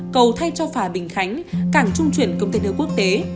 cầu thay cho phà bình khánh cảng trung chuyển công ty nơi quốc tế